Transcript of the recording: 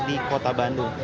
di kota bandung